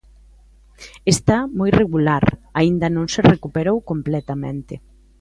Está moi regular, aínda non se recuperou completamente.